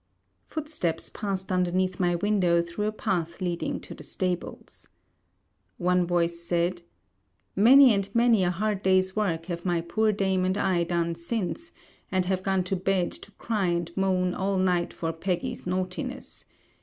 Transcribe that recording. Footsteps passed underneath my window through a path leading to the stables. One voice said, 'Many and many a hard day's work have my poor dame and I done since, and have gone to bed to cry and moan all night for Peggy's naughtiness.